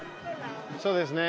そうですね